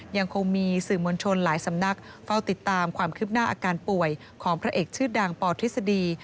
ยังคงมีสื่อมวลชนหลายสำนักเฝ้าติดตามความคืบหน้าอาการป่วยของพระเอกชื่อดังปทฤษฎี